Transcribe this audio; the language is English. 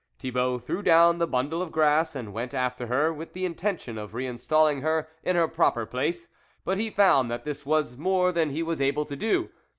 Thibault threw down the bundle of grass and went after her, with the intention of re installing her in her proper place ; but he found that this was more than he was able to do.